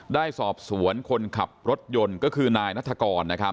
ได้สอบสวนคนขับรถยนต์ก็คือนายนัฐกร